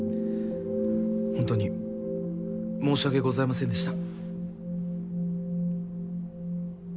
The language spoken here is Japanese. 本当に申し訳ございませんでした。